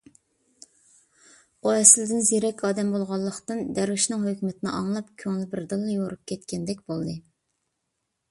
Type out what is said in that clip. ئۇ ئەسلىدىن زېرەك ئادەم بولغانلىقتىن، دەرۋىشنىڭ ھۆكمىتىنى ئاڭلاپ، كۆڭلى بىردىنلا يورۇپ كەتكەندەك بولدى.